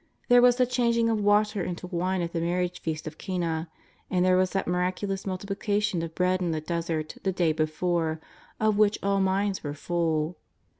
There was the changing of water into wine at the marriage feast of Cana. And there was that miraculous multiplication of bread in the desert the day before, of which all minds were full.